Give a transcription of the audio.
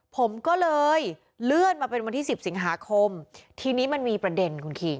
ผมก็เลยเลื่อนมาเป็นวันที่สิบสิงหาคมทีนี้มันมีประเด็นคุณคิง